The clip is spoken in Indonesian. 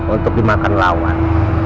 untuk dimakan lawan